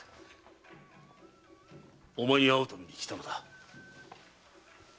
お前に会うために来たのだ。